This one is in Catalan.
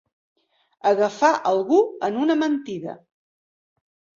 Agafar algú en una mentida.